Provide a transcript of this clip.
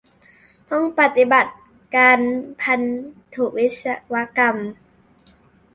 ห้องปฏิบัติการพันธุวิศกรรม